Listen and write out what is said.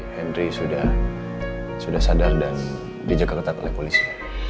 henry sudah sadar dan dijaga ketat oleh polisi